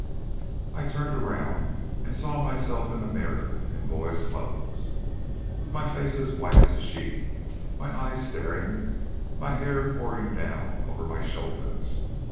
"I turned around and saw myself in the mirror in boy's clothes, with my face as white as a sheet, my eyes staring, my hair pouring down over my shoulders.